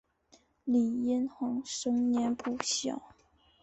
李殷衡生年不详。